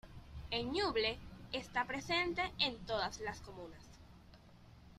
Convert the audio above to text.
En Ñuble está presente en todas las comunas.